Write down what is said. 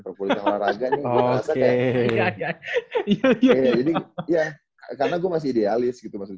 per politikan olahraga nih gue ngerasa kayak ya karena gue masih idealis gitu maksudnya